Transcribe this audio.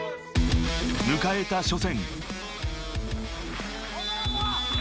迎えた初戦。